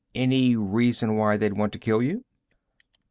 Any reason why they'd want to kill you?"